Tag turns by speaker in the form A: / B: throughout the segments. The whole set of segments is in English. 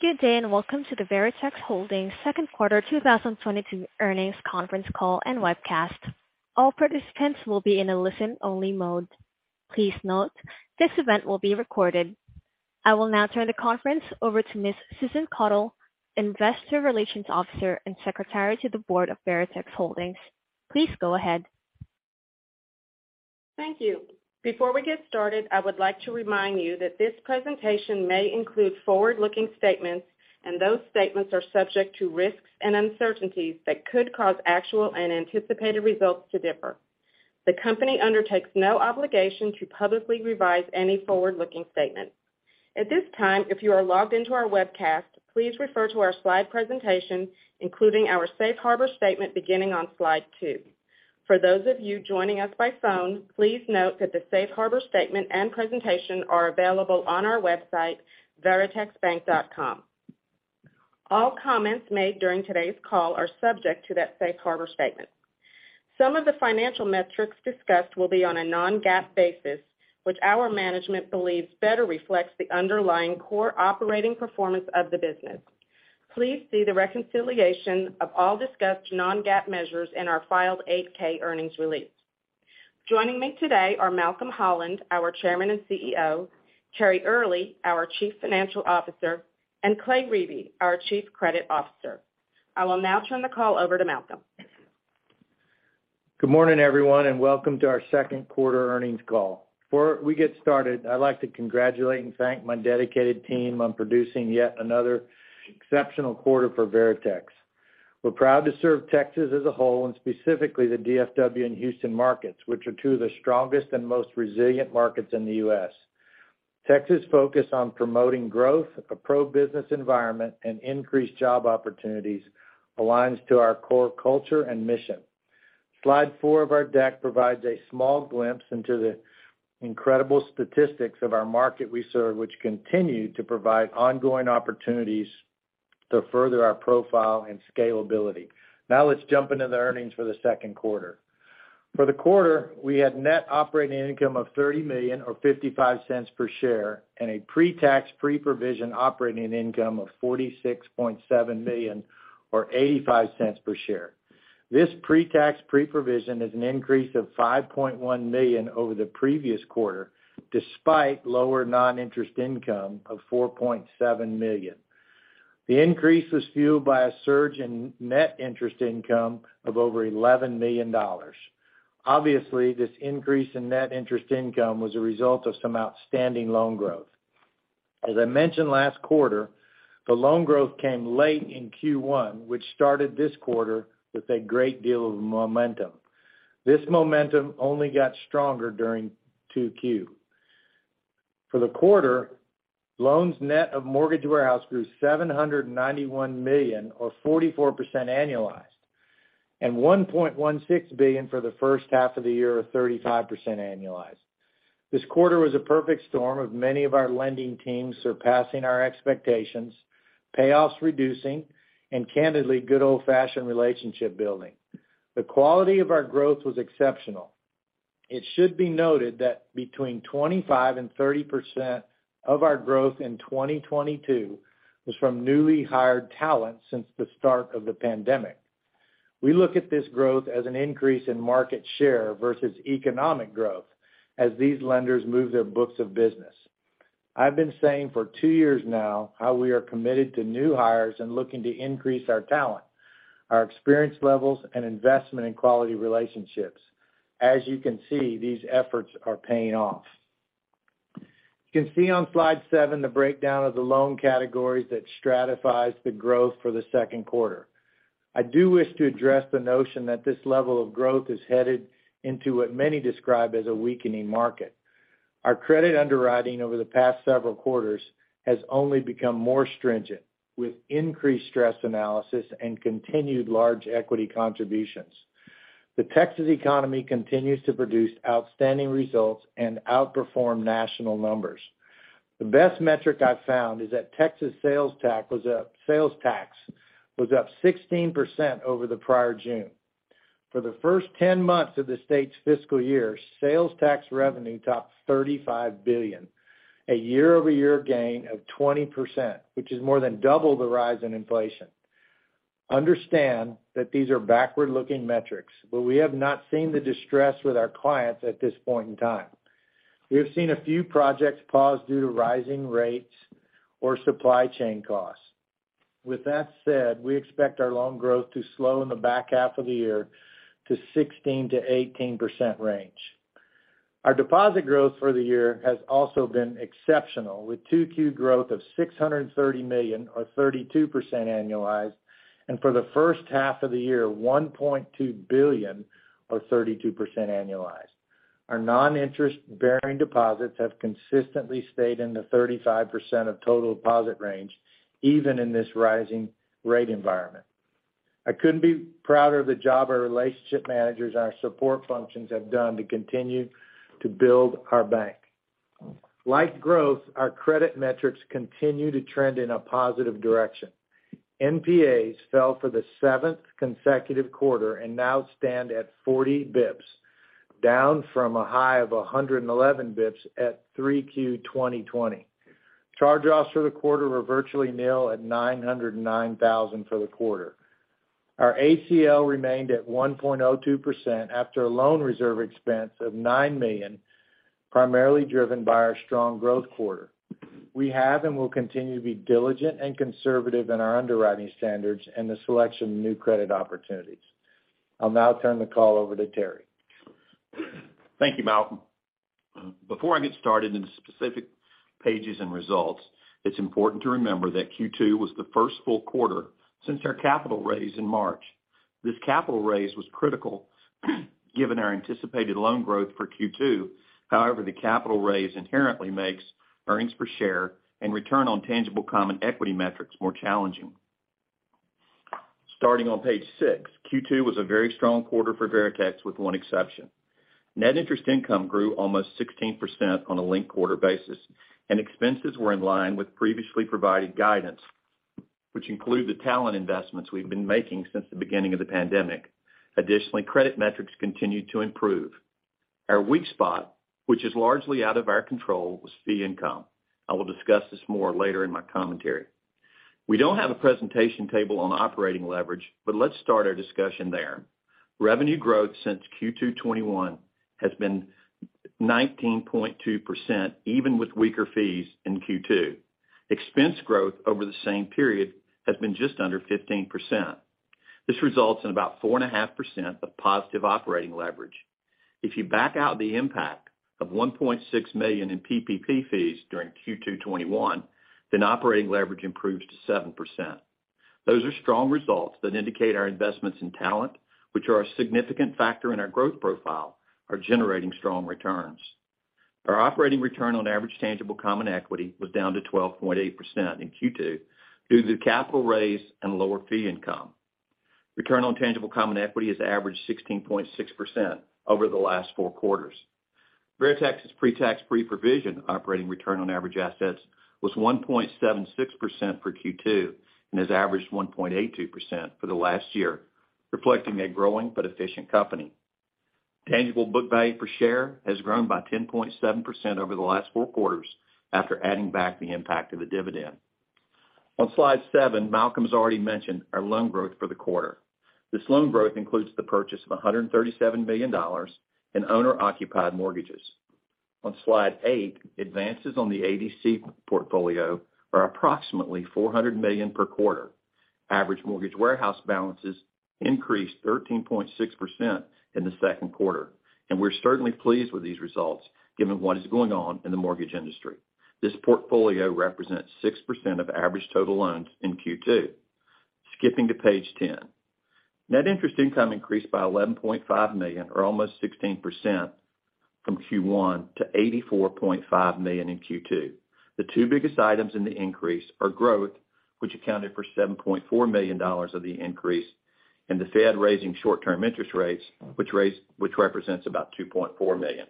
A: Good day, and welcome to the Veritex Holdings second quarter 2022 earnings conference call and webcast. All participants will be in a listen-only mode. Please note this event will be recorded. I will now turn the conference over to Ms. Susan Caudle, Investor Relations Officer and Secretary to the Board of Veritex Holdings. Please go ahead.
B: Thank you. Before we get started, I would like to remind you that this presentation may include forward-looking statements, and those statements are subject to risks and uncertainties that could cause actual and anticipated results to differ. The company undertakes no obligation to publicly revise any forward-looking statement. At this time, if you are logged into our webcast, please refer to our slide presentation, including our safe harbor statement, beginning on slide two. For those of you joining us by phone, please note that the safe harbor statement and presentation are available on our website, veritexbank.com. All comments made during today's call are subject to that safe harbor statement. Some of the financial metrics discussed will be on a non-GAAP basis, which our management believes better reflects the underlying core operating performance of the business. Please see the reconciliation of all discussed non-GAAP measures in our filed 8-K earnings release. Joining me today are Malcolm Holland, our Chairman and CEO, Terry Earley, our Chief Financial Officer, and Clay Riebe, our Chief Credit Officer. I will now turn the call over to Malcolm.
C: Good morning, everyone, and welcome to our second quarter earnings call. Before we get started, I'd like to congratulate and thank my dedicated team on producing yet another exceptional quarter for Veritex. We're proud to serve Texas as a whole, and specifically the DFW and Houston markets, which are two of the strongest and most resilient markets in the U.S. Texas' focus on promoting growth, a pro-business environment, and increased job opportunities aligns to our core culture and mission. Slide four of our deck provides a small glimpse into the incredible statistics of our market we serve, which continue to provide ongoing opportunities to further our profile and scalability. Now let's jump into the earnings for the second quarter. For the quarter, we had net operating income of $30 million or $0.55 per share, and a pre-tax, pre-provision operating income of $46.7 million or $0.85 per share. This pre-tax, pre-provision is an increase of $5.1 million over the previous quarter, despite lower non-interest income of $4.7 million. The increase was fueled by a surge in net interest income of over $11 million. Obviously, this increase in net interest income was a result of some outstanding loan growth. As I mentioned last quarter, the loan growth came late in Q1, which started this quarter with a great deal of momentum. This momentum only got stronger during 2Q. For the quarter, loans net of mortgage warehouse grew $791 million or 44% annualized, and $1.16 billion for the first half of the year or 35% annualized. This quarter was a perfect storm of many of our lending teams surpassing our expectations, payoffs reducing, and candidly, good old-fashioned relationship building. The quality of our growth was exceptional. It should be noted that between 25% and 30% of our growth in 2022 was from newly hired talent since the start of the pandemic. We look at this growth as an increase in market share versus economic growth as these lenders move their books of business. I've been saying for two years now how we are committed to new hires and looking to increase our talent, our experience levels, and investment in quality relationships. As you can see, these efforts are paying off. You can see on slide seven the breakdown of the loan categories that stratifies the growth for the second quarter. I do wish to address the notion that this level of growth is headed into what many describe as a weakening market. Our credit underwriting over the past several quarters has only become more stringent, with increased stress analysis and continued large equity contributions. The Texas economy continues to produce outstanding results and outperform national numbers. The best metric I've found is that Texas sales tax was up 16% over the prior June. For the first 10 months of the state's fiscal year, sales tax revenue topped $35 billion, a year-over-year gain of 20%, which is more than double the rise in inflation. Understand that these are backward-looking metrics, but we have not seen the distress with our clients at this point in time. We have seen a few projects paused due to rising rates or supply chain costs. With that said, we expect our loan growth to slow in the back half of the year to 16%-18% range. Our deposit growth for the year has also been exceptional, with 2Q growth of $630 million or 32% annualized, and for the first half of the year, $1.2 billion or 32% annualized. Our non-interest-bearing deposits have consistently stayed in the 35% of total deposit range, even in this rising rate environment. I couldn't be prouder of the job our relationship managers and our support functions have done to continue to build our bank. Like growth, our credit metrics continue to trend in a positive direction. NPAs fell for the seventh consecutive quarter and now stand at 40 basis points. Down from a high of 111 basis points at 3Q 2020. Charge-offs for the quarter were virtually nil at $909 thousand for the quarter. Our ACL remained at 1.02% after a loan reserve expense of $9 million, primarily driven by our strong growth quarter. We have and will continue to be diligent and conservative in our underwriting standards and the selection of new credit opportunities. I'll now turn the call over to Terry.
D: Thank you, Malcolm Holland. Before I get started into specific pages and results, it's important to remember that Q2 was the first full quarter since our capital raise in March. This capital raise was critical given our anticipated loan growth for Q2. However, the capital raise inherently makes earnings per share and return on tangible common equity metrics more challenging. Starting on page 6, Q2 was a very strong quarter for Veritex, with one exception. Net interest income grew almost 16% on a linked quarter basis, and expenses were in line with previously provided guidance, which include the talent investments we've been making since the beginning of the pandemic. Additionally, credit metrics continued to improve. Our weak spot, which is largely out of our control, was fee income. I will discuss this more later in my commentary. We don't have a presentation table on operating leverage, but let's start our discussion there. Revenue growth since Q2 2021 has been 19.2%, even with weaker fees in Q2. Expense growth over the same period has been just under 15%. This results in about 4.5% of positive operating leverage. If you back out the impact of $1.6 million in PPP fees during Q2 2021, then operating leverage improves to 7%. Those are strong results that indicate our investments in talent, which are a significant factor in our growth profile, are generating strong returns. Our operating return on average tangible common equity was down to 12.8% in Q2 due to the capital raise and lower fee income. Return on tangible common equity has averaged 16.6% over the last four quarters. Veritex's pre-tax, pre-provision operating return on average assets was 1.76% for Q2 and has averaged 1.82% for the last year, reflecting a growing but efficient company. Tangible book value per share has grown by 10.7% over the last four quarters after adding back the impact of the dividend. On slide seven, Malcolm has already mentioned our loan growth for the quarter. This loan growth includes the purchase of $137 million in owner-occupied mortgages. On slide eight, advances on the ADC portfolio are approximately $400 million per quarter. Average mortgage warehouse balances increased 13.6% in the second quarter, and we're certainly pleased with these results, given what is going on in the mortgage industry. This portfolio represents 6% of average total loans in Q2. Skipping to page ten. Net interest income increased by $11.5 million, or almost 16%, from Q1 to $84.5 million in Q2. The two biggest items in the increase are growth, which accounted for $7.4 million of the increase, and the Fed raising short-term interest rates, which represents about $2.4 million.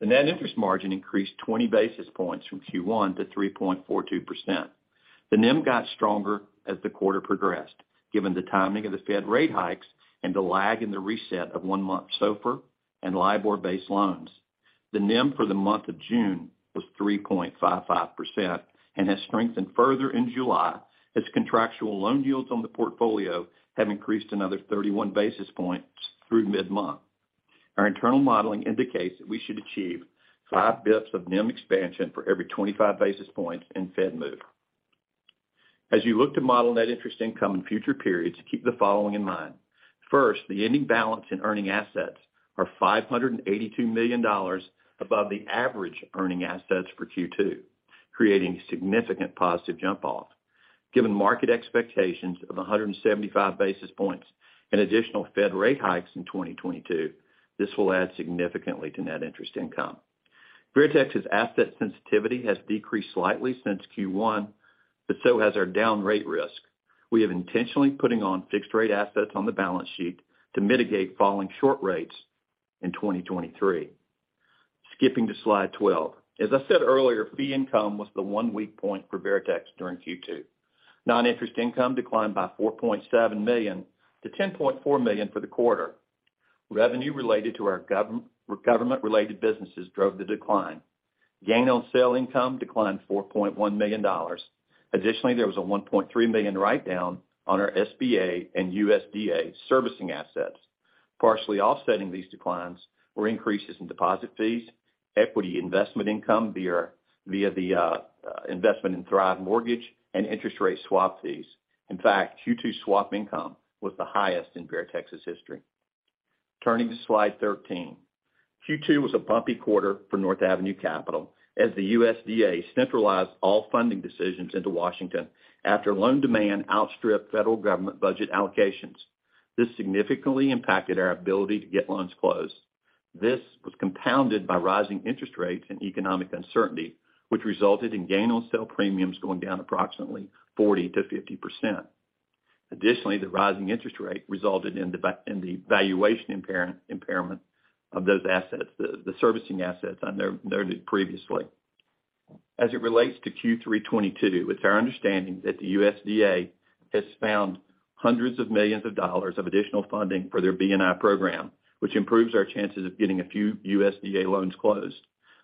D: The net interest margin increased 20 basis points from Q1 to 3.42%. The NIM got stronger as the quarter progressed, given the timing of the Fed rate hikes and the lag in the reset of one-month SOFR and LIBOR-based loans. The NIM for the month of June was 3.55%% and has strengthened further in July as contractual loan yields on the portfolio have increased another 31 basis points through mid-month. Our internal modeling indicates that we should achieve 5 basis points of NIM expansion for every 25 basis points in Fed move. As you look to model net interest income in future periods, keep the following in mind. First, the ending balance in earning assets is $582 million above the average earning assets for Q2, creating a significant positive jump-off. Given market expectations of 175 basis points in additional Fed rate hikes in 2022, this will add significantly to net interest income. Veritex's asset sensitivity has decreased slightly since Q1, but so has our down rate risk. We have intentionally put fixed rate assets on the balance sheet to mitigate falling short rates in 2023. Skipping to slide 12. As I said earlier, fee income was the one weak point for Veritex during Q2. Non-interest income declined by $4.7 million to $10.4 million for the quarter. Revenue related to our government-related businesses drove the decline. Gain on sale income declined $4.1 million. Additionally, there was a $1.3 million write-down on our SBA and USDA servicing assets. Partially offsetting these declines were increases in deposit fees, equity investment income via the investment in Thrive Mortgage, and interest rate swap fees. In fact, Q2 swap income was the highest in Veritex's history. Turning to slide 13. Q2 was a bumpy quarter for North Avenue Capital as the USDA centralized all funding decisions into Washington after loan demand outstripped federal government budget allocations. This significantly impacted our ability to get loans closed. This was compounded by rising interest rates and economic uncertainty, which resulted in gain on sale premiums going down approximately 40%-50%. Additionally, the rising interest rate resulted in the valuation impairment of those assets, the servicing assets I noted previously. As it relates to Q3 2022, it's our understanding that the USDA has found $hundreds of millions of additional funding for their B&I program, which improves our chances of getting a few USDA loans closed.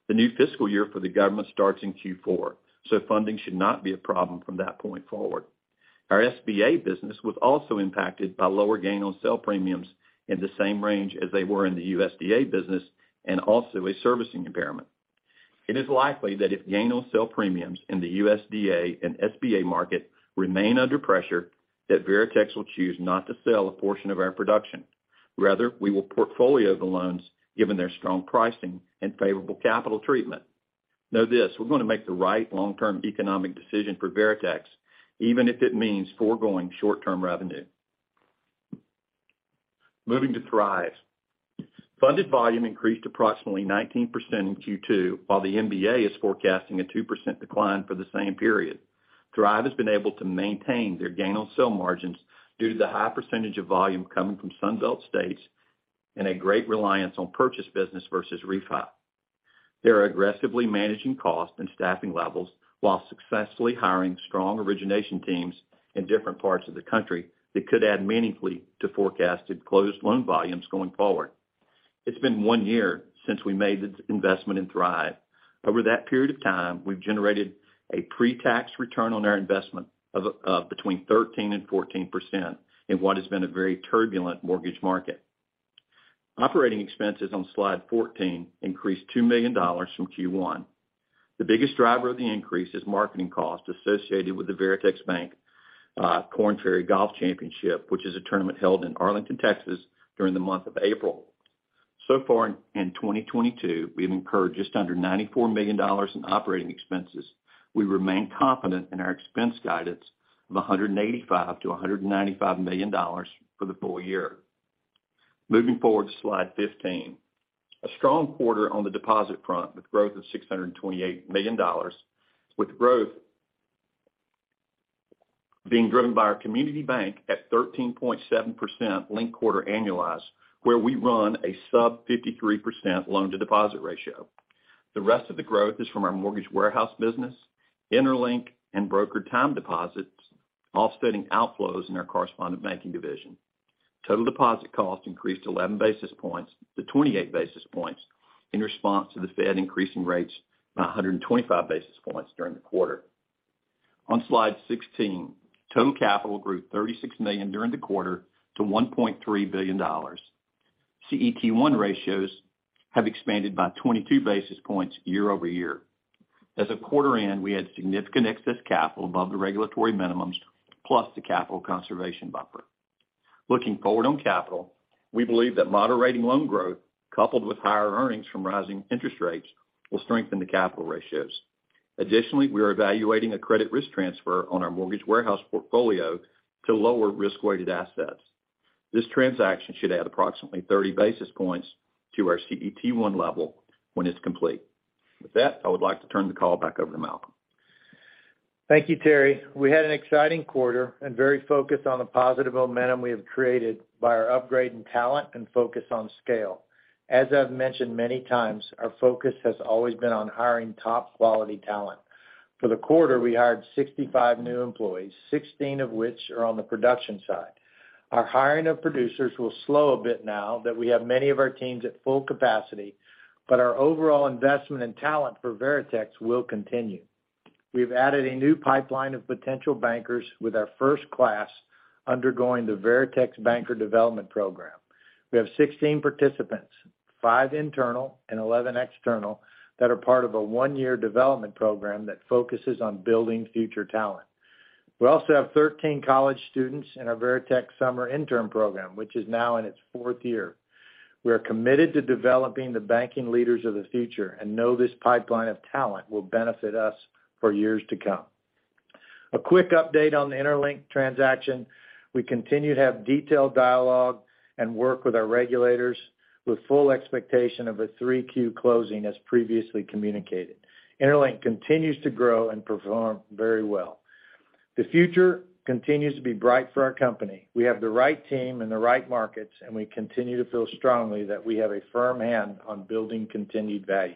D: The new fiscal year for the government starts in Q4, so funding should not be a problem from that point forward. Our SBA business was also impacted by lower gain on sale premiums in the same range as they were in the USDA business, and also a servicing impairment. It is likely that if gain on sale premiums in the USDA and SBA market remain under pressure, that Veritex will choose not to sell a portion of our production. Rather, we will portfolio the loans given their strong pricing and favorable capital treatment. Know this, we're gonna make the right long-term economic decision for Veritex, even if it means foregoing short-term revenue. Moving to Thrive. Funded volume increased approximately 19% in Q2, while the MBA is forecasting a 2% decline for the same period. Thrive has been able to maintain their gain on sale margins due to the high percentage of volume coming from Sun Belt states and a great reliance on purchase business versus refi. They are aggressively managing costs and staffing levels while successfully hiring strong origination teams in different parts of the country that could add meaningfully to forecasted closed loan volumes going forward. It's been one year since we made this investment in Thrive. Over that period of time, we've generated a pretax return on our investment of between 13% and 14% in what has been a very turbulent mortgage market. Operating expenses on slide 14 increased $2 million from Q1. The biggest driver of the increase is marketing costs associated with the Veritex Bank Korn Ferry Golf Championship, which is a tournament held in Arlington, Texas, during the month of April. So far in 2022, we have incurred just under $94 million in operating expenses. We remain confident in our expense guidance of $185 million-$195 million for the full year. Moving forward to slide 15. A strong quarter on the deposit front, with growth of $628 million, with growth being driven by our community bank at 13.7% linked-quarter annualized, where we run a sub-53% loan-to-deposit ratio. The rest of the growth is from our mortgage warehouse business, interLINK, and brokered time deposits, offsetting outflows in our correspondent banking division. Total deposit cost increased 11 basis points to 28 basis points in response to the Fed increasing rates by 125 basis points during the quarter. On slide 16, total capital grew $36 million during the quarter to $1.3 billion. CET1 ratios have expanded by 22 basis points year-over-year. As of quarter end, we had significant excess capital above the regulatory minimums, plus the capital conservation buffer. Looking forward on capital, we believe that moderating loan growth, coupled with higher earnings from rising interest rates, will strengthen the capital ratios. Additionally, we are evaluating a credit risk transfer on our mortgage warehouse portfolio to lower risk-weighted assets. This transaction should add approximately 30 basis points to our CET1 level when it's complete. With that, I would like to turn the call back over to Malcolm.
C: Thank you, Terry. We had an exciting quarter and very focused on the positive momentum we have created by our upgrade in talent and focus on scale. As I've mentioned many times, our focus has always been on hiring top quality talent. For the quarter, we hired 65 new employees, 16 of which are on the production side. Our hiring of producers will slow a bit now that we have many of our teams at full capacity, but our overall investment in talent for Veritex will continue. We've added a new pipeline of potential bankers with our first class undergoing the Veritex Banking Development Program. We have 16 participants, five internal and 11 external, that are part of a one-year development program that focuses on building future talent. We also have 13 college students in our Veritex Summer Intern Program, which is now in its fourth year. We are committed to developing the banking leaders of the future and know this pipeline of talent will benefit us for years to come. A quick update on the interLINK transaction. We continue to have detailed dialogue and work with our regulators with full expectation of a 3Q closing as previously communicated. interLINK continues to grow and perform very well. The future continues to be bright for our company. We have the right team and the right markets, and we continue to feel strongly that we have a firm hand on building continued value.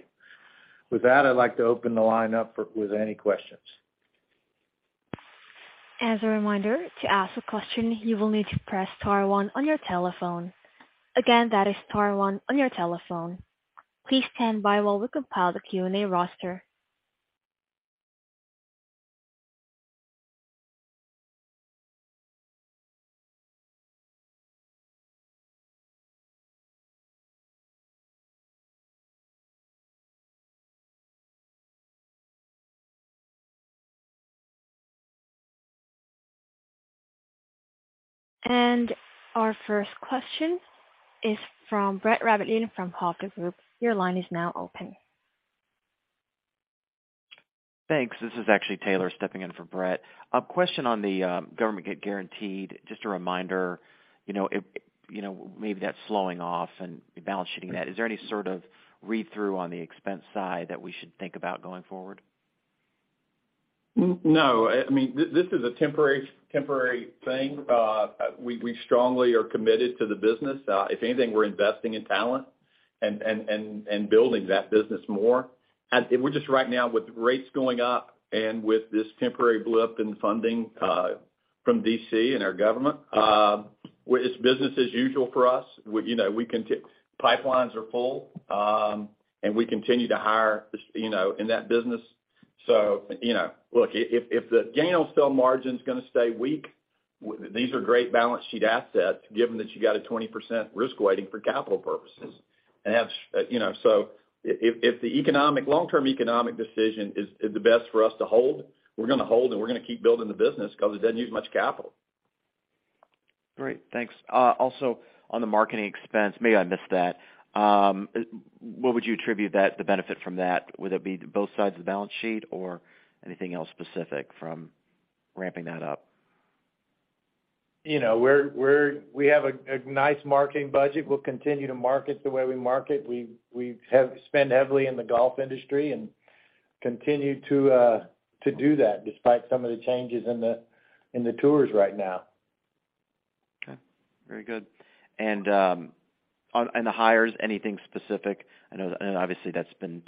C: With that, I'd like to open the line up with any questions.
A: As a reminder, to ask a question, you will need to press star one on your telephone. Again, that is star one on your telephone. Please stand by while we compile the Q&A roster. Our first question is from Brett Rabatin from Hovde Group. Your line is now open.
E: Thanks. This is actually Taylor stepping in for Brett. A question on the government guaranteed. Just a reminder, you know, maybe that's slowing off-balance-sheet that. Is there any sort of read-through on the expense side that we should think about going forward? No. I mean, this is a temporary thing. We strongly are committed to the business. If anything, we're investing in talent and building that business more. We're just right now with rates going up and with this temporary blip in funding from D.C. and our government. It's business as usual for us. You know, pipelines are full, and we continue to hire, you know, in that business.
D: You know, look, if the gain on sale margin's gonna stay weak, these are great balance sheet assets, given that you got a 20% risk weighting for capital purposes. That's, you know, if the economic, long-term economic decision is the best for us to hold, we're gonna hold, and we're gonna keep building the business 'cause it doesn't use much capital.
E: Great. Thanks. Also on the marketing expense, maybe I missed that. What would you attribute that, the benefit from that? Would that be both sides of the balance sheet or anything else specific from ramping that up?
D: You know, we have a nice marketing budget. We'll continue to market the way we market. We have spent heavily in the golf industry and continue to do that despite some of the changes in the tours right now.
E: Okay, very good. On the hires, anything specific? I know, and obviously that's been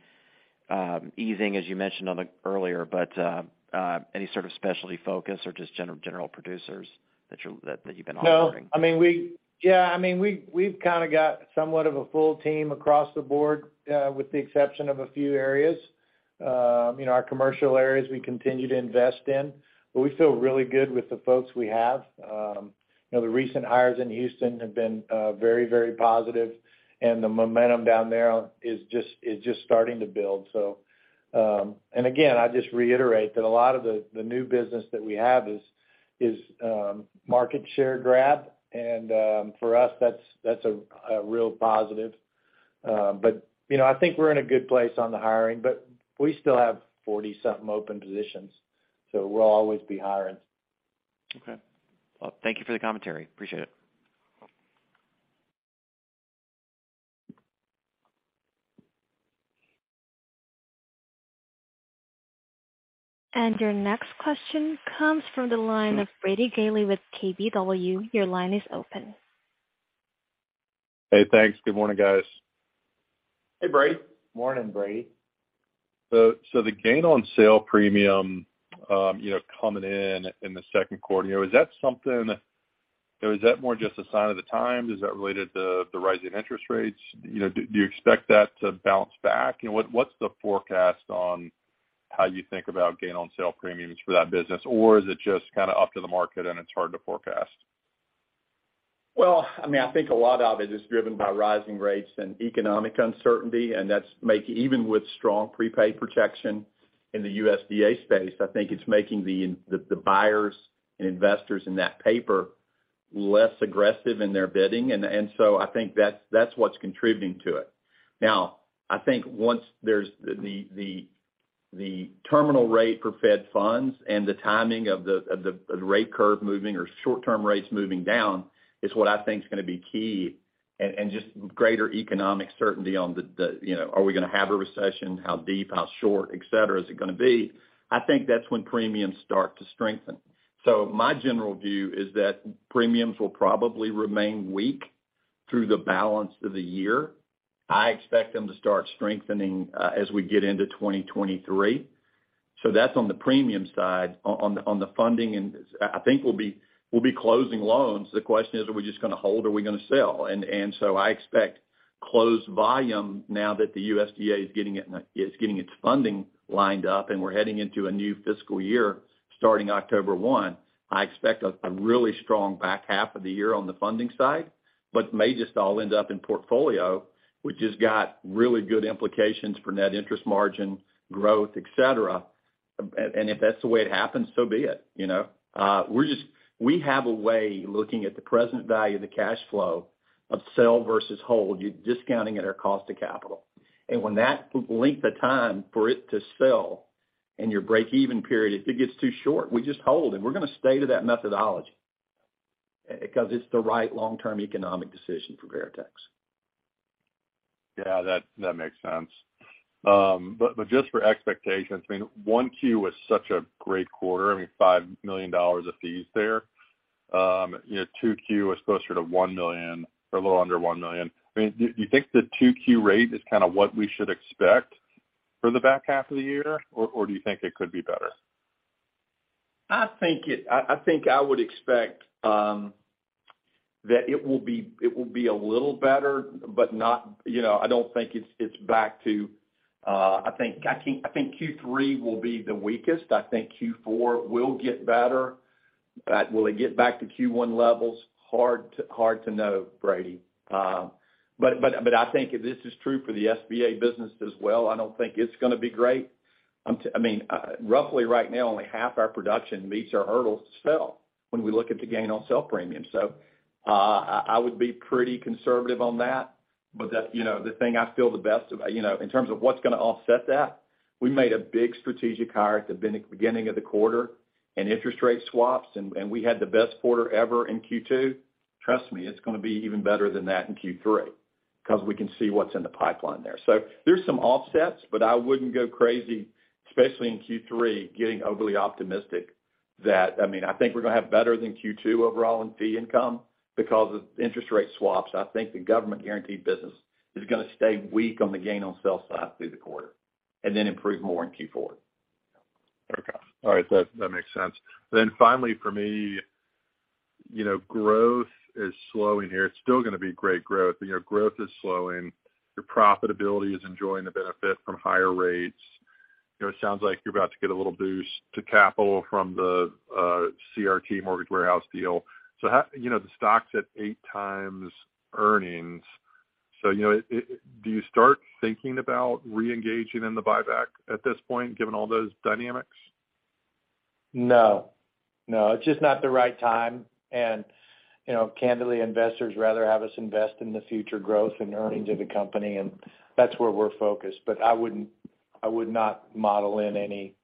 E: easing, as you mentioned earlier, but any sort of specialty focus or just general producers that you've been offering?
D: No, I mean, yeah, I mean, we've kind of got somewhat of a full team across the board with the exception of a few areas. You know, our commercial areas we continue to invest in, but we feel really good with the folks we have. You know, the recent hires in Houston have been very, very positive, and the momentum down there is just starting to build. Again, I just reiterate that a lot of the new business that we have is market share grab, and for us, that's a real positive. You know, I think we're in a good place on the hiring, but we still have 40-something open positions, so we'll always be hiring.
E: Okay. Well, thank you for the commentary. Appreciate it.
A: Your next question comes from the line of Brady Gailey with KBW. Your line is open.
F: Hey, thanks. Good morning, guys.
C: Hey, Brady.
D: Morning, Brady.
F: The gain on sale premium, you know, coming in in the second quarter, is that something, or is that more just a sign of the times? Is that related to the rising interest rates? You know, do you expect that to bounce back? You know, what's the forecast on how you think about gain on sale premiums for that business? Or is it just kinda up to the market and it's hard to forecast?
D: Well, I mean, I think a lot of it is driven by rising rates and economic uncertainty, and even with strong prepayment protection in the USDA space, I think it's making the buyers and investors in that paper less aggressive in their bidding. I think that's what's contributing to it. Now, I think once there's the terminal rate for Fed funds and the timing of the rate curve moving or short-term rates moving down is what I think is gonna be key and just greater economic certainty on the, you know, are we gonna have a recession? How deep, how short, et cetera, is it gonna be? I think that's when premiums start to strengthen. My general view is that premiums will probably remain weak through the balance of the year. I expect them to start strengthening as we get into 2023. That's on the premium side. On the funding and I think we'll be closing loans. The question is, are we just gonna hold or are we gonna sell? And so I expect closed volume now that the USDA is getting its funding lined up and we're heading into a new fiscal year starting October 1. I expect a really strong back half of the year on the funding side, but may just all end up in portfolio, which has got really good implications for net interest margin, growth, et cetera. If that's the way it happens, so be it, you know? We have a way, looking at the present value of the cash flow of sell versus hold, you're discounting at our cost of capital. When that length of time for it to sell and your break-even period, if it gets too short, we just hold, and we're gonna stay to that methodology, because it's the right long-term economic decision for Veritex.
F: Yeah, that makes sense. Just for expectations, I mean, 1Q was such a great quarter. I mean, $5 million of fees there. You know, 2Q was closer to $1 million or a little under $1 million. I mean, do you think the 2Q rate is kinda what we should expect for the back half of the year, or do you think it could be better?
D: I think I would expect that it will be a little better, but not, you know, I don't think it's back to. I think Q3 will be the weakest. I think Q4 will get better. Will it get back to Q1 levels? Hard to know, Brady. But I think this is true for the SBA business as well. I don't think it's gonna be great. I mean, roughly right now, only half our production meets our hurdles to sell when we look at the gain on sale premiums. So, I would be pretty conservative on that. But that's, you know, the thing I feel the best about. You know, in terms of what's gonna offset that, we made a big strategic hire at the beginning of the quarter in interest rate swaps, and we had the best quarter ever in Q2. Trust me, it's gonna be even better than that in Q3, 'cause we can see what's in the pipeline there. There's some offsets, but I wouldn't go crazy, especially in Q3, getting overly optimistic. I mean, I think we're gonna have better than Q2 overall in fee income because of interest rate swaps. I think the government guaranteed business is gonna stay weak on the gain on sale side through the quarter and then improve more in Q4.
F: Okay. All right. That makes sense. Finally, for me, you know, growth is slowing here. It's still gonna be great growth, but, you know, growth is slowing. Your profitability is enjoying the benefit from higher rates. You know, it sounds like you're about to get a little boost to capital from the CRT Mortgage Warehouse deal. You know, the stock's at 8 times earnings. Do you start thinking about reengaging in the buyback at this point, given all those dynamics?
C: No, it's just not the right time. You know, candidly, investors rather have us invest in the future growth and earnings of the company, and that's where we're focused. I would not model in any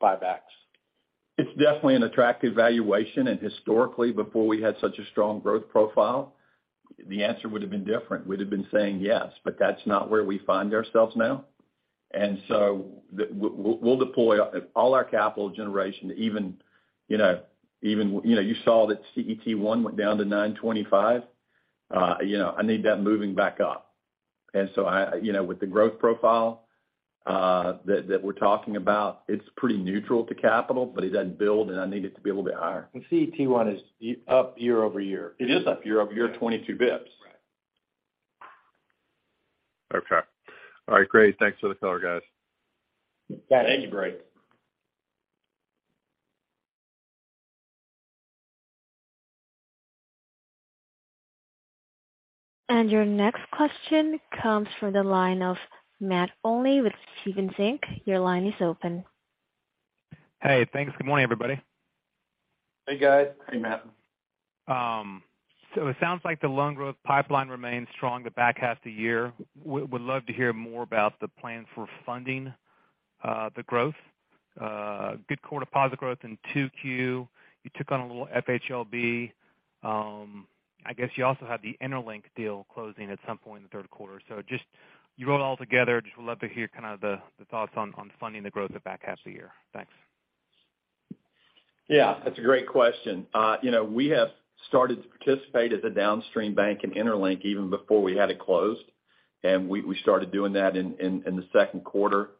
C: buybacks.
D: It's definitely an attractive valuation. Historically, before we had such a strong growth profile, the answer would've been different. We'd have been saying yes, but that's not where we find ourselves now. We'll deploy all our capital generation to even, you know, even you know, you saw that CET1 went down to 9.25%. You know, I need that moving back up. I, you know, with the growth profile that we're talking about, it's pretty neutral to capital, but it doesn't build, and I need it to be a little bit higher.
C: CET1 is up year-over-year.
D: It is up year-over-year 22 basis points.
C: Right.
F: Okay. All right. Great. Thanks for the color, guys.
D: Thank you, Brady.
A: Your next question comes from the line of Matt Olney with Stephens Inc. Your line is open.
G: Hey, thanks. Good morning, everybody.
D: Hey, guys.
C: Hey, Matt.
G: It sounds like the loan growth pipeline remains strong in the back half of the year. Would love to hear more about the plans for funding the growth. Good core deposit growth in 2Q. You took on a little FHLB. I guess you also have the interLINK deal closing at some point in the third quarter. Just you roll it all together. Would love to hear kind of the thoughts on funding the growth in the back half of the year. Thanks.
D: Yeah, that's a great question. You know, we have started to participate at the downstream bank in interLINK even before we had it closed, and we started doing that in the second quarter.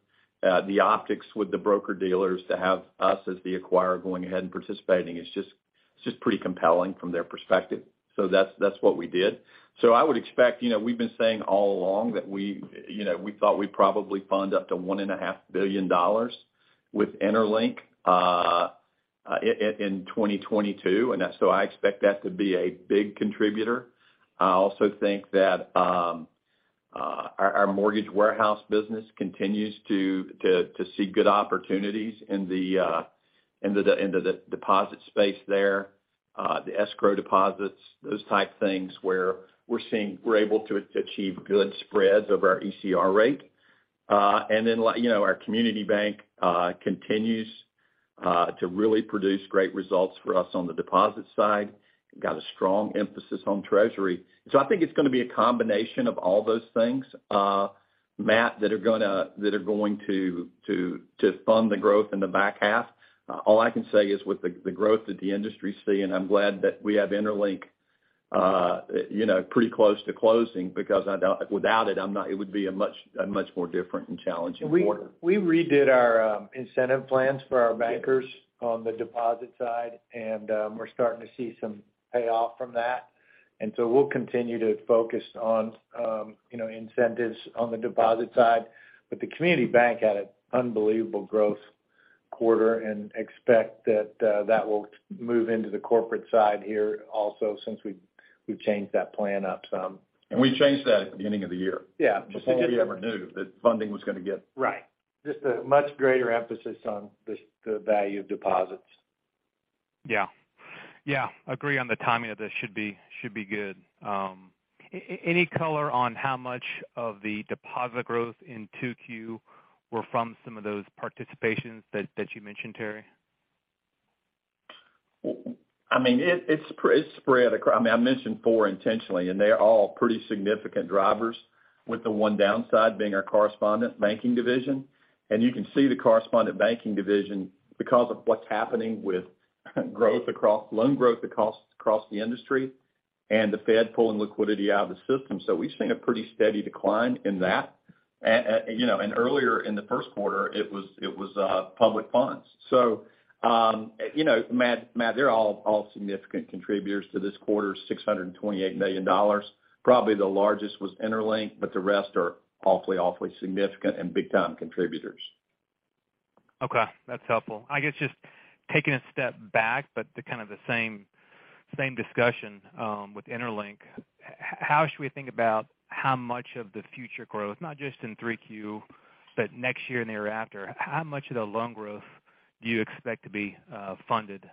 D: The optics with the broker-dealers to have us as the acquirer going ahead and participating is just pretty compelling from their perspective. That's what we did. I would expect, you know, we've been saying all along that you know, we thought we'd probably fund up to $1.5 billion with interLINK in 2022, and that's. I expect that to be a big contributor. I also think that our Mortgage Warehouse business continues to see good opportunities in the deposit space there, the escrow deposits, those type things where we're able to achieve good spreads over our ECR rate. Like, you know, our community bank continues to really produce great results for us on the deposit side. Got a strong emphasis on Treasury. I think it's gonna be a combination of all those things, Matt, that are going to fund the growth in the back half. All I can say is with the growth that the industry's seeing, I'm glad that we have interLINK, you know, pretty close to closing because without it would be a much more different and challenging quarter.
C: We redid our incentive plans for our bankers on the deposit side, and we're starting to see some payoff from that. We'll continue to focus on you know incentives on the deposit side. The community bank had an unbelievable growth quarter and expect that that will move into the corporate side here also since we've changed that plan up some.
D: We changed that at the beginning of the year.
C: Yeah.
D: Just so you never knew that funding was gonna get.
C: Right. Just a much greater emphasis on this, the value of deposits.
G: Yeah. Yeah, agree on the timing of this. Should be good. Any color on how much of the deposit growth in 2Q were from some of those participations that you mentioned, Terry?
D: I mean, I mentioned four intentionally, and they're all pretty significant drivers, with the one downside being our correspondent banking division. You can see the correspondent banking division because of what's happening with loan growth across the industry and the Fed pulling liquidity out of the system. We've seen a pretty steady decline in that. You know, earlier in the first quarter, it was public funds. You know, Matt, they're all significant contributors to this quarter's $628 million. Probably the largest was interLINK, but the rest are awfully significant and big time contributors.
G: Okay. That's helpful. I guess just taking a step back, but kind of the same discussion with interLINK. How should we think about how much of the future growth, not just in 3Q, but next year and the year after, how much of the loan growth do you expect to be funded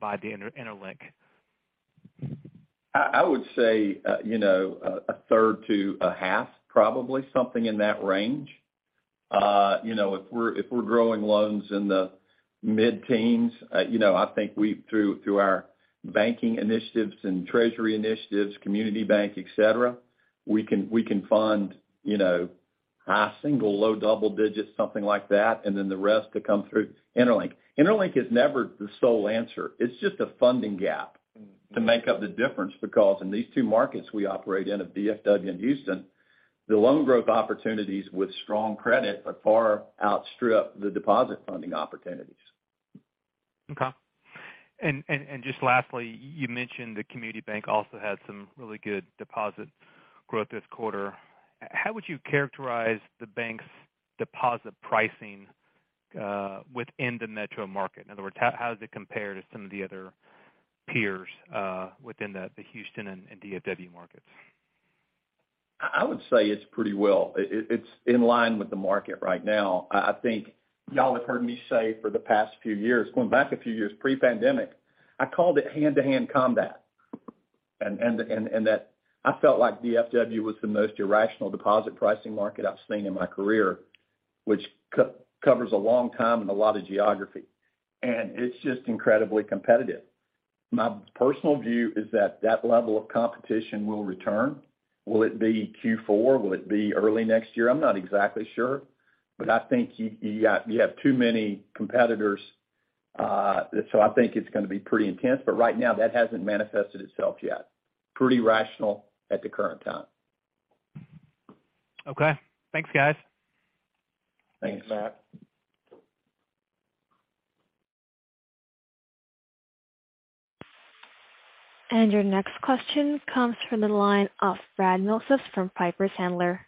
G: by the interLINK?
D: I would say, you know, a third to a half, probably something in that range. You know, if we're growing loans in the mid-teens, you know, I think we through our banking initiatives and treasury initiatives, community bank, et cetera, we can fund, you know, high single, low double digits, something like that, and then the rest to come through interLINK. InterLINK is never the sole answer. It's just a funding gap to make up the difference because in these two markets we operate in, DFW and Houston, the loan growth opportunities with strong credit have far outstrip the deposit funding opportunities.
G: Okay. Just lastly, you mentioned the community bank also had some really good deposit growth this quarter. How would you characterize the bank's deposit pricing within the metro market? In other words, how does it compare to some of the other peers within the Houston and DFW markets?
D: I would say it's pretty well. It's in line with the market right now. I think y'all have heard me say for the past few years, going back a few years pre-pandemic, I called it hand-to-hand combat. That I felt like DFW was the most irrational deposit pricing market I've seen in my career, which covers a long time and a lot of geography. It's just incredibly competitive. My personal view is that that level of competition will return. Will it be Q4? Will it be early next year? I'm not exactly sure. I think you have too many competitors, so I think it's gonna be pretty intense. Right now, that hasn't manifested itself yet. Pretty rational at the current time.
G: Okay. Thanks, guys.
D: Thanks, Matt.
A: Your next question comes from the line of Brad Milsaps from Piper Sandler.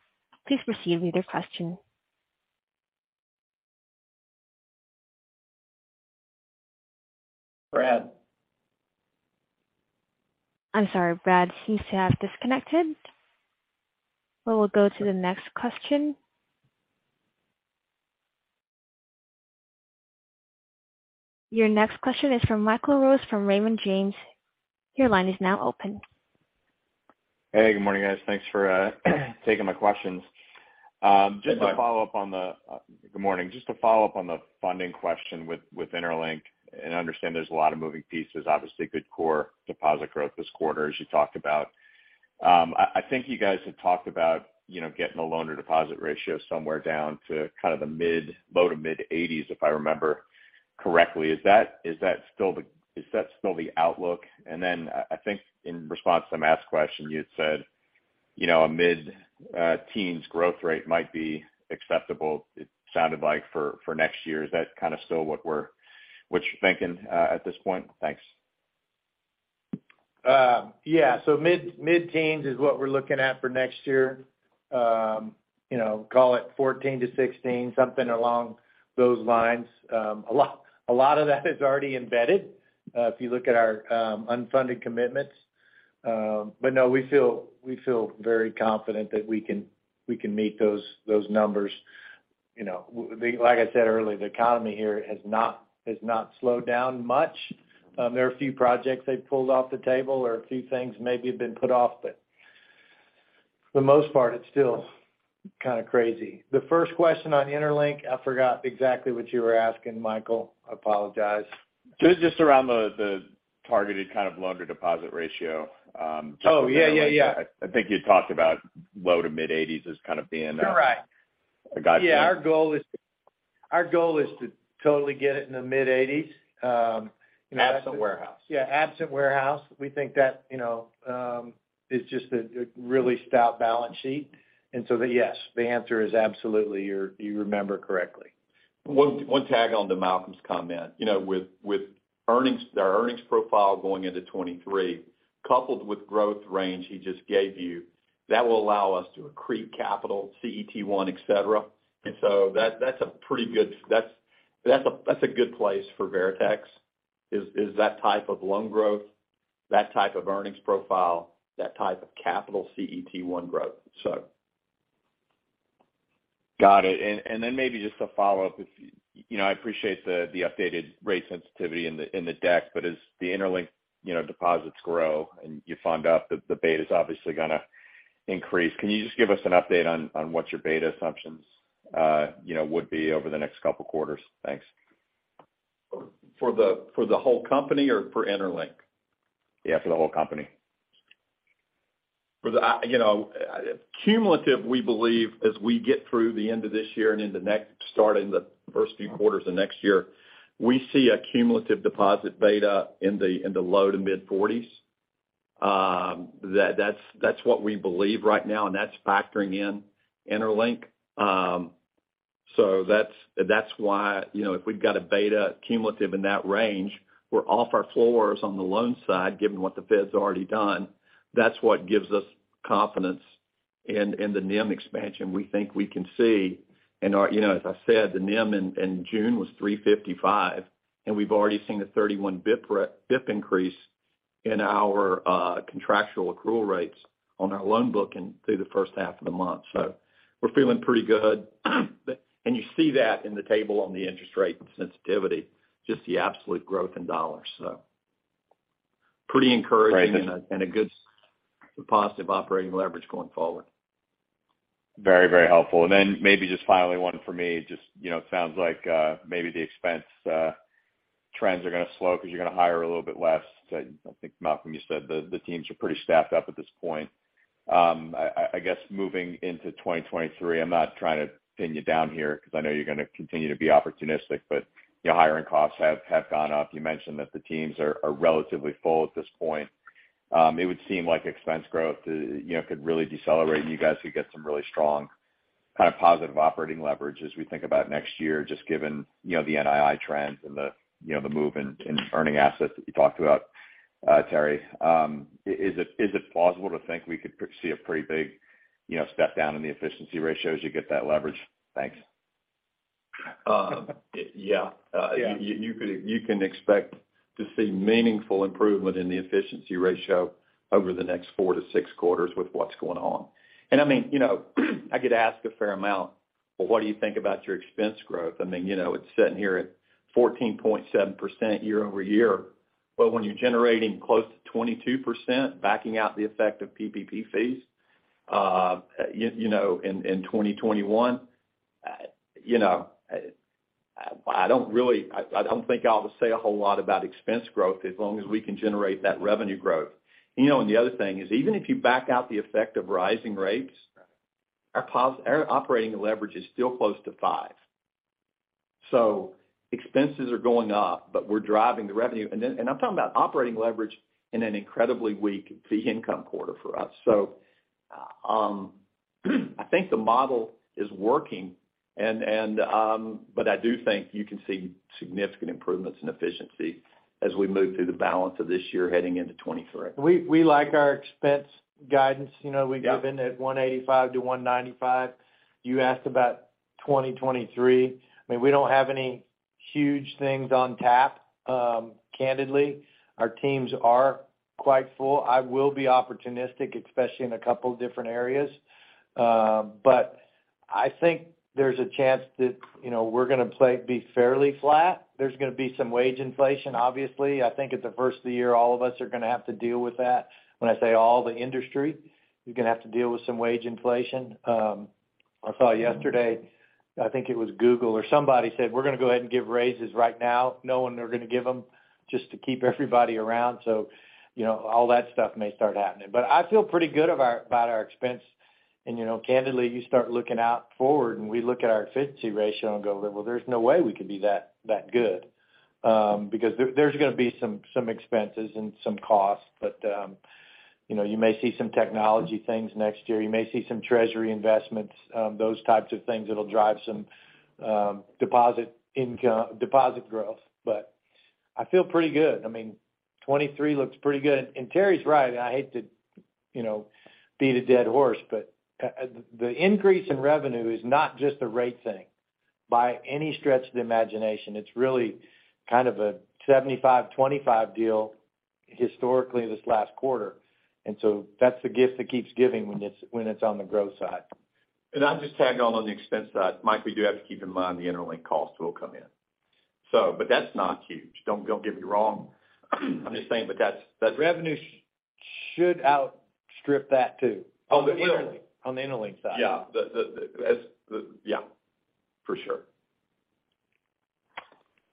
A: Please proceed with your question.
D: Brad.
A: I'm sorry, Brad seems to have disconnected. We will go to the next question. Your next question is from Michael Rose from Raymond James. Your line is now open.
H: Hey, good morning, guys. Thanks for taking my questions.
D: Good morning.
H: Good morning. Just to follow up on the funding question with interLINK, and I understand there's a lot of moving pieces, obviously good core deposit growth this quarter, as you talked about. I think you guys have talked about, you know, getting the loan-to-deposit ratio somewhere down to kind of the mid, low- to mid-80s, if I remember correctly. Is that still the outlook? Then I think in response to Matt's question, you had said, you know, a mid-teens growth rate might be acceptable, it sounded like, for next year. Is that kind of still what you're thinking at this point? Thanks.
D: Yeah. Mid-teens is what we're looking at for next year. You know, call it 14%-16%, something along those lines. A lot of that is already embedded if you look at our unfunded commitments. But no, we feel very confident that we can meet those numbers. You know, like I said earlier, the economy here has not slowed down much. There are a few projects they've pulled off the table or a few things maybe have been put off, but for the most part, it's still kinda crazy. The first question on interLINK, I forgot exactly what you were asking, Michael. I apologize.
H: It was just around the targeted kind of loan-to-deposit ratio.
D: Oh, yeah.
H: I think you talked about low- to mid-80s as kind of being the
D: You're right.
H: A guideline.
D: Yeah. Our goal is to totally get it in the mid-80s. You know
H: Absent warehouse.
D: Yeah, absent warehouse. We think that, you know, is just a really stout balance sheet. Yes, the answer is absolutely, you remember correctly. One tag on to Malcolm's comment. You know, with our earnings profile going into 2023, coupled with growth range he just gave you, that will allow us to accrete capital, CET1, et cetera. That's a good place for Veritex, is that type of loan growth, that type of earnings profile, that type of capital CET1 growth.
H: Got it. Then maybe just to follow up, if you know, I appreciate the updated rate sensitivity in the deck, but as the interLINK deposits grow and you fund up, the beta's obviously gonna increase. Can you just give us an update on what your beta assumptions would be over the next couple quarters? Thanks.
D: For the whole company or for interLINK?
H: Yeah, for the whole company.
D: You know, cumulative, we believe, as we get through the end of this year and into next year starting the first few quarters of next year, we see a cumulative deposit beta in the low-to-mid 40s. That's what we believe right now, and that's factoring in interLINK. So that's why, you know, if we've got a beta cumulative in that range, we're off our floors on the loan side, given what the Fed's already done. That's what gives us confidence in the NIM expansion we think we can see. You know, as I said, the NIM in June was 3.55%, and we've already seen a 31 BP increase in our contractual accrual rates on our loan booking through the first half of the month. So we're feeling pretty good. You see that in the table on the interest rate sensitivity, just the absolute growth in dollars. Pretty encouraging.
H: Right.
D: a good positive operating leverage going forward.
H: Very, very helpful. Maybe just finally one for me, just, you know, it sounds like maybe the expense trends are gonna slow because you're gonna hire a little bit less. I think, Malcolm, you said the teams are pretty staffed up at this point. I guess moving into 2023, I'm not trying to pin you down here because I know you're gonna continue to be opportunistic, but, you know, hiring costs have gone up. You mentioned that the teams are relatively full at this point. It would seem like expense growth, you know, could really decelerate, and you guys could get some really strong kind of positive operating leverage as we think about next year, just given, you know, the NII trends and the, you know, the move in earning assets that you talked about, Terry. Is it plausible to think we could see a pretty big, you know, step down in the efficiency ratio as you get that leverage? Thanks.
D: Yeah.
H: Yeah.
D: You can expect to see meaningful improvement in the efficiency ratio over the next 4-6 quarters with what's going on. I mean, you know, I get asked a fair amount, "Well, what do you think about your expense growth?" I mean, you know, it's sitting here at 14.7% year-over-year. But when you're generating close to 22% backing out the effect of PPP fees, you know, in 2021, you know, I don't think I'll say a whole lot about expense growth as long as we can generate that revenue growth. You know, the other thing is even if you back out the effect of rising rates.
H: Right.
D: Our operating leverage is still close to five. Expenses are going up, but we're driving the revenue. I'm talking about operating leverage in an incredibly weak fee income quarter for us. I think the model is working. But I do think you can see significant improvements in efficiency as we move through the balance of this year heading into 2023.
C: We like our expense guidance. You know,
D: Yeah.
C: given it $185-$195. You asked about 2023. I mean, we don't have any huge things on tap, candidly. Our teams are quite full. I will be opportunistic, especially in a couple different areas. But I think there's a chance that, you know, we're gonna be fairly flat. There's gonna be some wage inflation, obviously. I think at the first of the year, all of us are gonna have to deal with that. When I say all, the industry, you're gonna have to deal with some wage inflation. I saw yesterday, I think it was Google or somebody said, "We're gonna go ahead and give raises right now knowing we're gonna give them just to keep everybody around." So, you know, all that stuff may start happening. But I feel pretty good about our expense. You know, candidly, you start looking forward, and we look at our efficiency ratio and go, "Well, there's no way we could be that good," because there's gonna be some expenses and some costs. You know, you may see some technology things next year. You may see some treasury investments, those types of things that'll drive some deposit growth. But I feel pretty good. I mean, 2023 looks pretty good. Terry's right, I hate to, you know, beat a dead horse, but the increase in revenue is not just a rate thing by any stretch of the imagination. It's really kind of a 75/25 deal historically this last quarter. That's the gift that keeps giving when it's on the growth side.
D: I'll just tag on the expense side. Mike, we do have to keep in mind the interLINK costs will come in. That's not huge. Don't get me wrong. I'm just saying.
C: Revenue should outstrip that too.
D: Oh, it will.
C: On the interLINK side.
D: Yeah, for sure.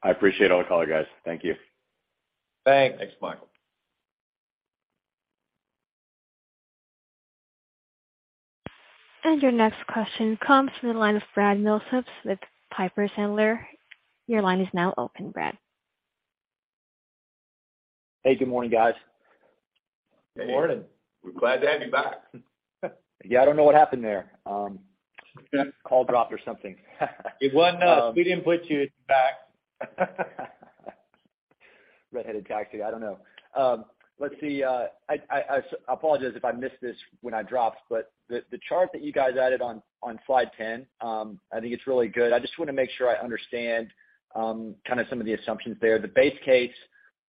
H: I appreciate all the color, guys. Thank you.
C: Thanks.
D: Thanks, Michael.
A: Your next question comes from the line of Brad Milsaps with Piper Sandler. Your line is now open, Brad.
I: Hey, good morning, guys.
D: Good morning.
C: We're glad to have you back.
I: Yeah, I don't know what happened there. Call dropped or something.
C: It wasn't us. We didn't put you back.
I: Red-headed stepchild, I don't know. Let's see, I apologize if I missed this when I dropped, but the chart that you guys added on slide 10, I think it's really good. I just wanna make sure I understand kind of some of the assumptions there. The base case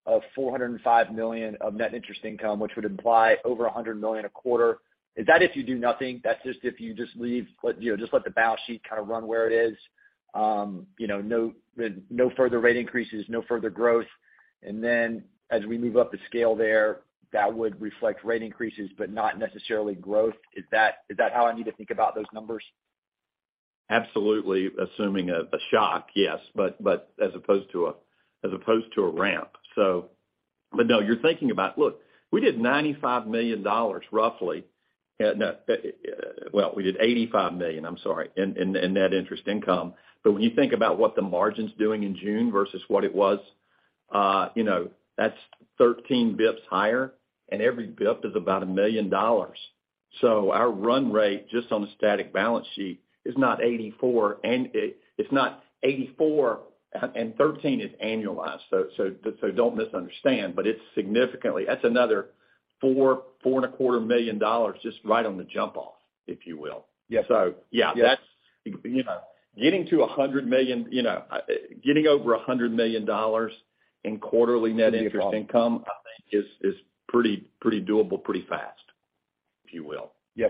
I: of $405 million of net interest income, which would imply over $100 million a quarter, is that if you do nothing? That's just if you just leave, you know, just let the balance sheet kind of run where it is, you know, no further rate increases, no further growth. Then as we move up the scale there, that would reflect rate increases, but not necessarily growth. Is that how I need to think about those numbers?
D: Absolutely. Assuming a shock, yes, but as opposed to a ramp. No, you're thinking about. Look, we did $95 million roughly. No, well, we did $85 million, I'm sorry, in net interest income. But when you think about what the margin's doing in June versus what it was, you know, that's 13-fifths higher, and every BP is about $1 million. So our run rate, just on a static balance sheet, is not $84 million, and 13-fifths is annualized. So don't misunderstand, but it's significantly. That's another $4.25 million just right on the jump off, if you will.
I: Yeah.
D: Yeah.
I: Yeah.
D: That's, you know, getting to $100 million, you know, getting over $100 million in quarterly net interest income.
I: Interesting.
D: I think is pretty doable pretty fast. If you will.
I: Yeah.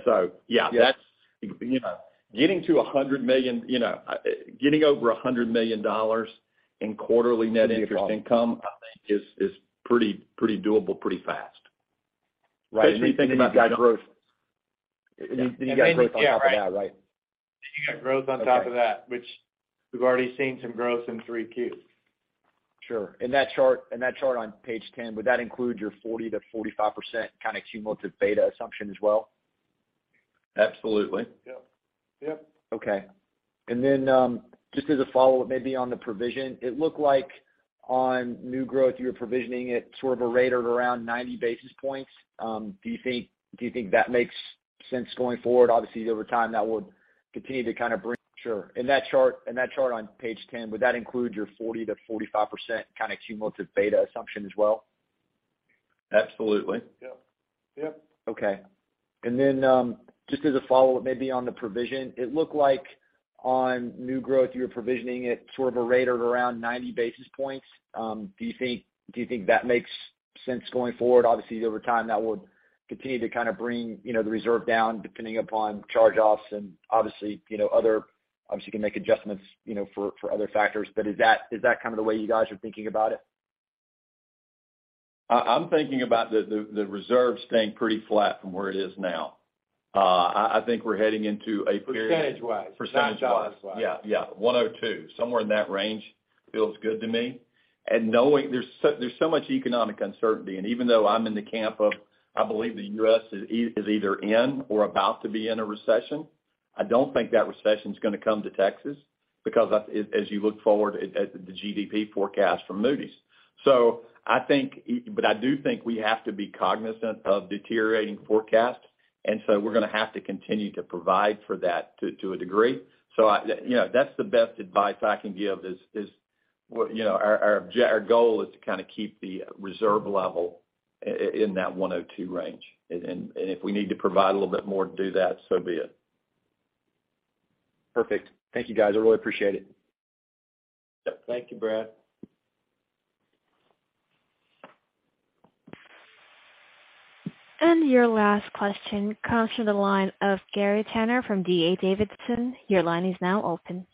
D: Yeah, that's, you know, getting to $100 million, you know, getting over $100 million in quarterly net interest income. I think is pretty doable pretty fast.
I: Right. You think about growth.
D: Yeah.
I: You got growth on top of that, right?
D: You got growth on top of that, which we've already seen some growth in three Qs.
I: Sure. That chart on page 10, would that include your 40%-45% kind of cumulative beta assumption as well?
D: Absolutely.
I: Yep. Yep. Okay. Just as a follow-up, maybe on the provision, it looked like on new growth, you were provisioning it sort of a rate of around 90 basis points. Do you think that makes sense going forward? Sure. In that chart on page 10, would that include your 40%-45% kind of cumulative beta assumption as well?
D: Absolutely.
I: Yep. Yep. Okay. Just as a follow-up, maybe on the provision, it looked like on new growth, you were provisioning it sort of a rate of around 90 basis points. Do you think that makes sense going forward? Obviously, over time, that will continue to kind of bring, you know, the reserve down, depending upon charge-offs. Obviously, you can make adjustments, you know, for other factors. But is that kind of the way you guys are thinking about it?
D: I'm thinking about the reserve staying pretty flat from where it is now. I think we're heading into a period.
I: Percentage-wise.
D: Percentage-wise.
I: Not dollar-wise.
D: Yeah, yeah. 102, somewhere in that range feels good to me. Knowing there's so much economic uncertainty, and even though I'm in the camp of, I believe the U.S. is either in or about to be in a recession, I don't think that recession is going to come to Texas because as you look forward at the GDP forecast from Moody's. But I do think we have to be cognizant of deteriorating forecasts, and so we're going to have to continue to provide for that to a degree. You know, that's the best advice I can give is, you know, our goal is to kind of keep the reserve level in that 102 range. If we need to provide a little bit more to do that, so be it.
I: Perfect. Thank you guys. I really appreciate it.
D: Thank you, Brad.
A: Your last question comes from the line of Gary Tenner from D.A. Davidson. Your line is now open.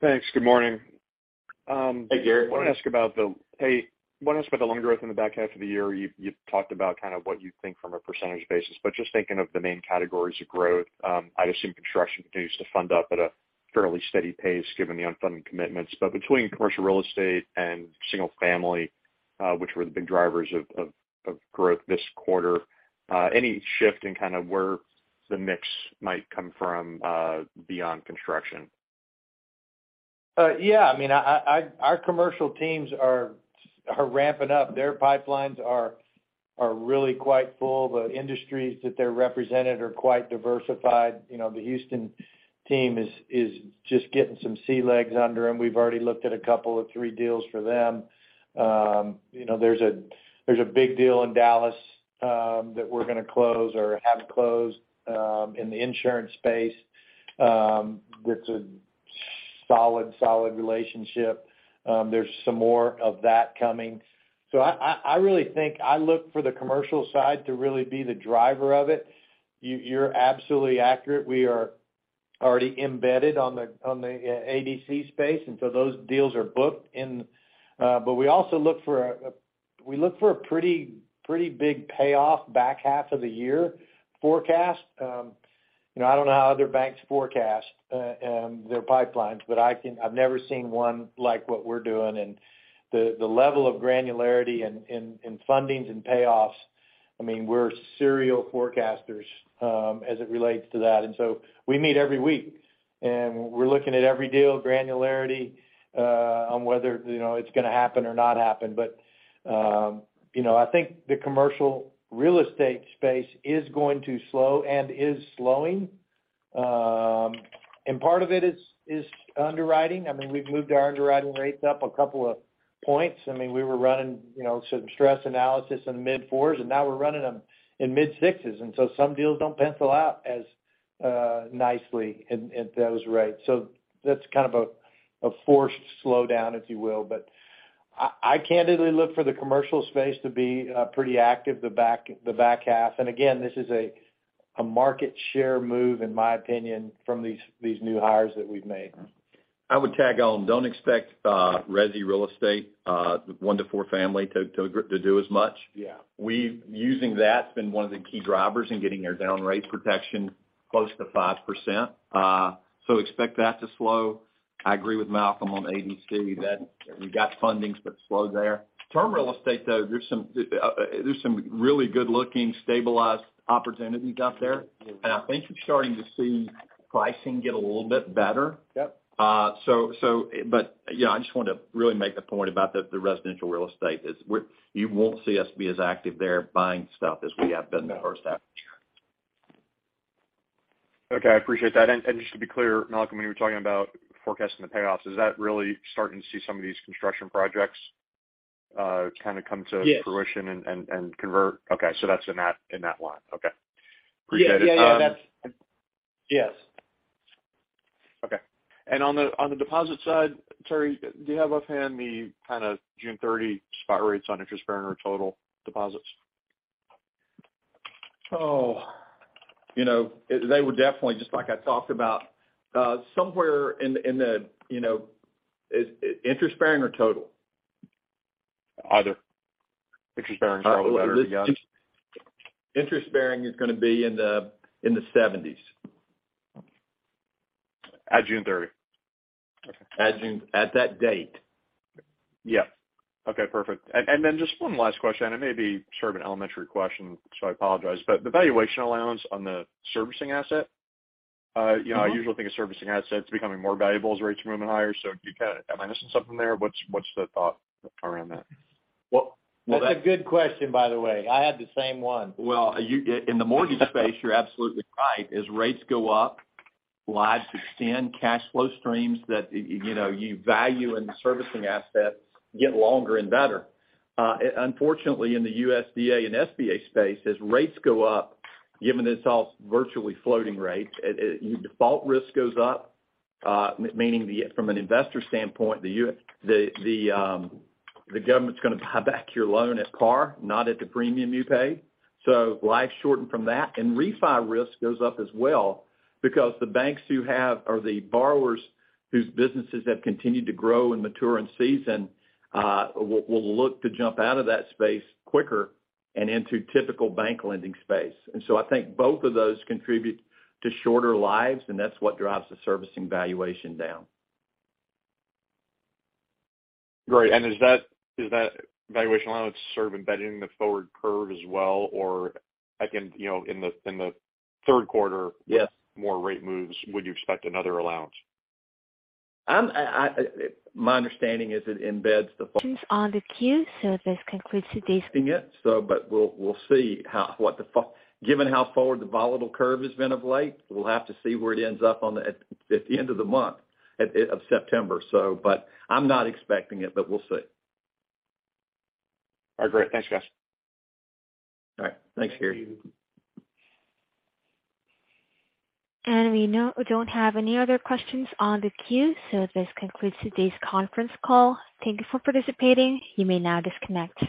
J: Thanks. Good morning.
D: Hey, Gary.
J: Want to ask about the loan growth in the back half of the year. You talked about kind of what you think from a percentage basis, but just thinking of the main categories of growth, I assume construction continues to fund up at a fairly steady pace given the unfunded commitments. Between commercial real estate and single family, which were the big drivers of growth this quarter, any shift in kind of where the mix might come from, beyond construction?
C: Yeah. I mean, our commercial teams are ramping up. Their pipelines are really quite full. The industries that they're represented are quite diversified. You know, the Houston team is just getting some sea legs under them. We've already looked at a couple of three deals for them. You know, there's a big deal in Dallas that we're going to close or have closed in the insurance space with a solid relationship. There's some more of that coming. I really think I look for the commercial side to really be the driver of it. You're absolutely accurate. We are already embedded on the ADC space, and those deals are booked. But we also look for a pretty big payoff back half of the year forecast. You know, I don't know how other banks forecast their pipelines, but I've never seen one like what we're doing. The level of granularity in fundings and payoffs, I mean, we're serial forecasters as it relates to that. We meet every week, and we're looking at every deal granularity on whether you know, it's going to happen or not happen. You know, I think the commercial real estate space is going to slow and is slowing. Part of it is underwriting. I mean, we've moved our underwriting rates up a couple of points. I mean, we were running, you know, some stress analysis in mid-fours, and now we're running them in mid-sixes. Some deals don't pencil out as nicely at those rates. That's kind of a forced slowdown, if you will. I candidly look for the commercial space to be pretty active the back half. Again, this is a market share move, in my opinion, from these new hires that we've made.
D: I would tag on. Don't expect resi real estate, 1-4 family to do as much.
C: Yeah.
D: Using that's been one of the key drivers in getting our down rate protection close to 5%. Expect that to slow. I agree with Malcolm on ADC. We've got fundings that slow there. Term real estate, though, there's some really good-looking, stabilized opportunities out there. I think you're starting to see pricing get a little bit better.
C: Yep.
D: Yeah, I just wanted to really make the point about the residential real estate you won't see us be as active there buying stuff as we have been the first half of the year.
J: Okay. I appreciate that. Just to be clear, Malcolm, when you were talking about forecasting the payoffs, is that really starting to see some of these construction projects, kind of come to?
C: Yes.
J: to fruition and convert? Okay. That's in that line. Okay. Appreciate it.
C: Yeah. Yeah, that's yes.
J: On the deposit side, Terry, do you have offhand the kind of June 30 spot rates on interest bearing or total deposits?
D: Oh, you know, they were definitely just like I talked about, somewhere in the, you know. Is it interest bearing or total?
J: Either. Interest bearing is probably better to guess.
D: Interest bearing is gonna be in the 70s.
J: At June 30? Okay.
D: At that date. Yeah.
J: Okay, perfect. Then just one last question, and it may be sort of an elementary question, so I apologize. The valuation allowance on the servicing asset, you know, I usually think of servicing assets becoming more valuable as rates are moving higher. Am I missing something there? What's the thought around that?
D: Well-
C: That's a good question, by the way. I had the same one.
D: Well, in the mortgage space, you're absolutely right. As rates go up, lives extend, cash flow streams that, you know, you value in the servicing assets get longer and better. Unfortunately in the USDA and SBA space, as rates go up, given it's all virtually floating rates, your default risk goes up, meaning the—from an investor standpoint, the government's gonna buy back your loan at par, not at the premium you paid. Lives shorten from that. Refi risk goes up as well because the banks who have or the borrowers whose businesses have continued to grow and mature in season, will look to jump out of that space quicker and into typical bank lending space. I think both of those contribute to shorter lives, and that's what drives the servicing valuation down.
J: Great. Is that valuation allowance sort of embedding the forward curve as well? Or again, you know, in the third quarter-
D: Yes.
J: More rate moves, would you expect another allowance?
D: My understanding is it embeds the.
A: Questions on the queue. This concludes today's.
D: Given how forward the volatility curve has been of late, we'll have to see where it ends up at the end of the month of September. I'm not expecting it, but we'll see.
J: All right, great. Thanks guys.
D: All right. Thanks, Gary.
C: Thank you.
A: We now don't have any other questions on the queue, so this concludes today's conference call. Thank you for participating. You may now disconnect.